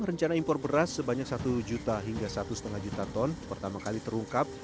rencana impor beras sebanyak satu juta hingga satu lima juta ton pertama kali terungkap